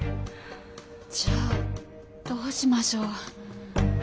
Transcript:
じゃあどうしましょう。